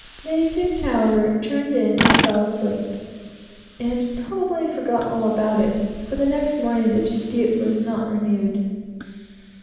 They soon, however, turned in and fell asleep, and probably forgot all about it, for the next morning the dispute was not renewed.